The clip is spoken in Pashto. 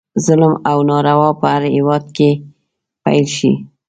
ظلم او ناروا به په هر هیواد کې پیل شي.